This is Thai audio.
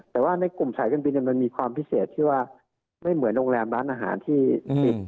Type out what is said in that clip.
แต่ว่าในกลุ่มสายการบินมันมีความพิเศษที่ว่าไม่เหมือนโรงแรมร้านอาหารที่ปิด